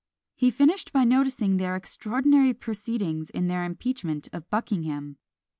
He finished by noticing their extraordinary proceedings in their impeachment of Buckingham.